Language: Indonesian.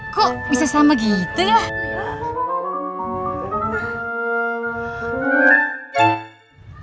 kok bisa sama gitu ya